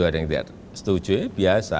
ada yang tidak setuju ya biasa